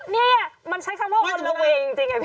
นี่มันใช้คำว่าอ้อนระเวย์จริงพี่ทิศ